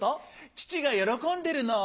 チチが喜んでるの！